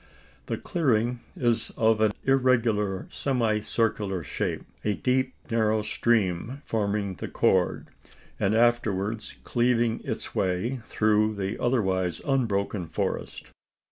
The clearing is of an irregular semi circular shape a deep narrow stream forming the chord, and afterwards cleaving its way through the otherwise unbroken forest.